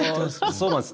そうなんです。